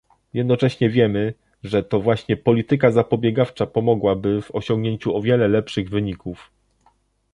Jednocześnie wiemy, że to właśnie polityka zapobiegawcza pomogłaby w osiągnięciu o wiele lepszych wyników